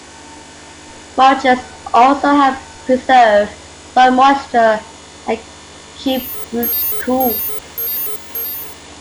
Mulches also help preserve soil moisture and keep roots cool.